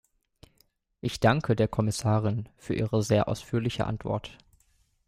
Ich danke der Kommissarin für ihre sehr ausführliche Antwort.